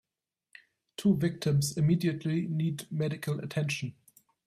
Two victims immediately need medical attention.